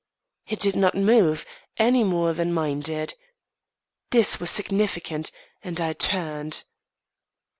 It did not move, any more than mine did. This was significant, and I turned.